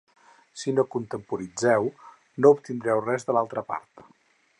Si no contemporitzeu no obtindreu res de l'altra part.